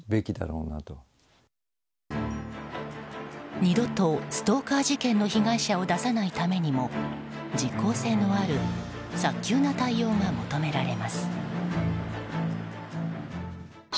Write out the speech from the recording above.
二度とストーカー事件の被害者を出さないためにも実効性のある早急な対応が求められます。